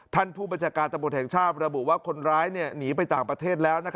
ท่านผู้บัญชาการตำรวจแห่งชาติระบุว่าคนร้ายหนีไปต่างประเทศแล้ว